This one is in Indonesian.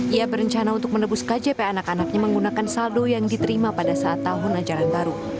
ia berencana untuk menebus kjp anak anaknya menggunakan saldo yang diterima pada saat tahun ajaran baru